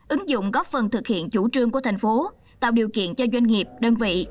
ứng dụng góp phần thực hiện chủ trương của thành phố tạo điều kiện cho doanh nghiệp đơn vị